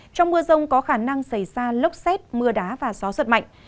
trong mưa rông có khả năng xảy ra lốc xét mưa đá và gió giật mạnh